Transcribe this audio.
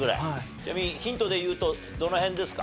ちなみにヒントでいうとどの辺ですか？